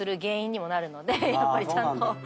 やっぱりちゃんと。